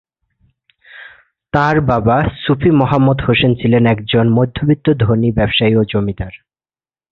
তাঁর বাবা সুফি মুহাম্মদ হোসেন ছিলেন একজন মধ্যবিত্ত ধনী ব্যবসায়ী এবং জমিদার।